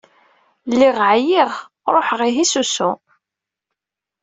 Lliɣ ɛyiɣ, ruḥeɣ ihi s usu.